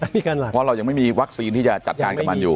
เพราะเรายังไม่มีวัคซีนที่จะจัดการกับมันอยู่